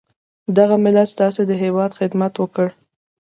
دغه ملت ستاسي د هیواد خدمت وکړو.